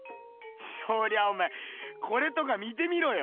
そりゃおめえこれとか見てみろよ。